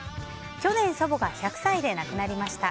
去年、祖母が１００歳で亡くなりました。